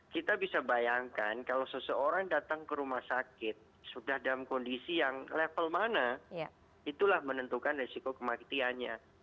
kita bisa bayangkan kalau seseorang datang ke rumah sakit sudah dalam kondisi yang level mana itulah menentukan resiko kematiannya